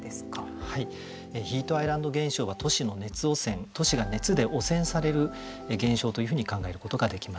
ヒートアイランド現象は都市の熱汚染、都市が熱で汚染される現象というふうに考えることができます。